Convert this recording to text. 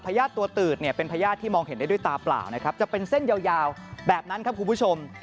ญาติตัวตืดเนี่ยเป็นพญาติที่มองเห็นได้ด้วยตาเปล่านะครับจะเป็นเส้นยาวแบบนั้นครับคุณผู้ชม